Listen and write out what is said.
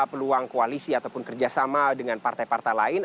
peluang koalisi ataupun kerjasama dengan partai partai lain